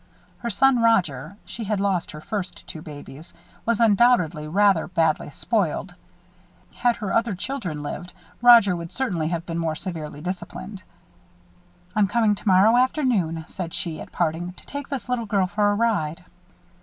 Her son Roger she had lost her first two babies was undoubtedly rather badly spoiled. Had her other children lived, Roger would certainly have been more severely disciplined. "I'm coming tomorrow afternoon," said she, at parting, "to take this little girl for a ride."